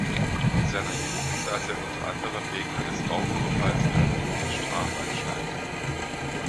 In seiner Jugend saß er unter anderem wegen eines Raubüberfalls in einer Jugendstrafanstalt.